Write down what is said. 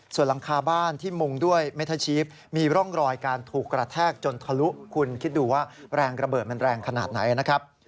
ส่วนหลังคาบ้านที่มุงด้วยเมทาชีฟมีร่องรอยการถูกกระแทกจนทะลุคุณคิดดูว่าแรงระเบิดมันแรงขนาดไหนนะครับ